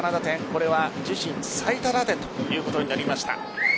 これは自身最多打点ということになりました。